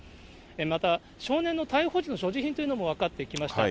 また少年の逮捕時の所持品というのも分かってきました。